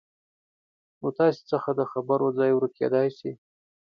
نو تاسې څخه د خبرو ځای ورکېدای شي